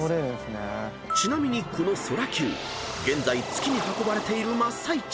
［ちなみにこのＳＯＲＡ−Ｑ現在月に運ばれている真っ最中］